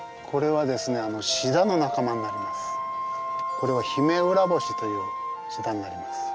これはヒメウラボシというシダになります。